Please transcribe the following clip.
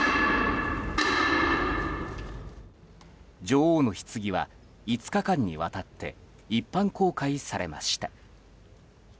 女王のひつぎは５日間にわたって一般公開されました。